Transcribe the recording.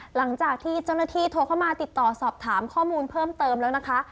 หลังจากที่เจ้าหน้าที่โทรเข้ามาติดต่อสอบถามข้อมูลเพิ่มเติมแล้วนะคะ